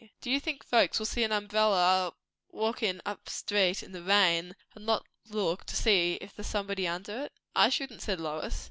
"Do you think folks will see an umbrella walkin' up street in the rain, and not look to see if there's somebody under it?" "I shouldn't," said Lois.